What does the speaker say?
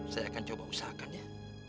saya akan coba usahakan ya